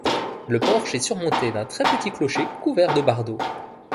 Le porche est surmonté d'un très petit clocher couvert de bardeaux.